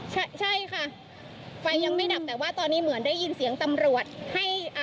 ใช่ค่ะไฟยังไม่ดับแต่ว่าตอนนี้เหมือนได้ยินเสียงตำรวจให้อ่า